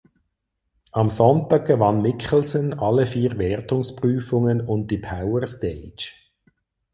Am Sonntag gewann Mikkelsen alle vier Wertungsprüfungen und die Powerstage.